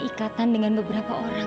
ikatan dengan beberapa orang